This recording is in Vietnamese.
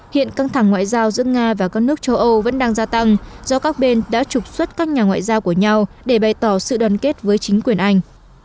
hiện căng thẳng ngoại giao giữa nga và các nước châu âu vẫn đang gia tăng do các bên đã trục xuất các nhà ngoại giao của nhau để bày tỏ sự đoàn kết với chính quyền anh